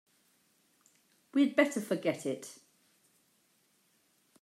We'd better forget it.